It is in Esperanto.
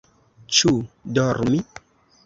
Ĉu dormi?